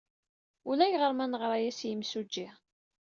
Ulayɣer ma neɣra-as i yimsujji.